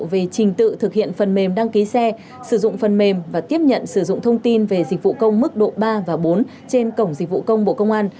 về trình tự thực hiện phần mềm đăng ký xe sử dụng phần mềm và tiếp nhận sử dụng thông tin về dịch vụ công mức độ ba và bốn trên cổng dịch vụ công bộ công an